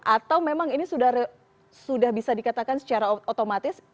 atau memang ini sudah bisa dikatakan secara otomatis